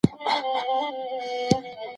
اورېدل په هر ځای کي تر لیکلو ډېر ممکن دي.